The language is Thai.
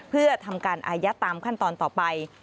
เพื่อทำการอายัดตามขั้นตอนต่อไป